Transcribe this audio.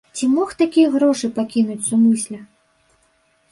Ці мог такія грошы пакінуць сумысля?